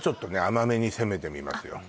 甘めに攻めてみますよ